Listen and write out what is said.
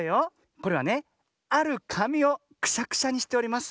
これはねあるかみをクシャクシャにしております。